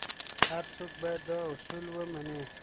هر څوک باید دا اصول ومني.